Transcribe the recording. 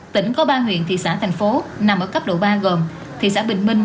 tỉnh có ba huyện thị xã thành phố nằm ở cấp độ ba gồm thị xã bình minh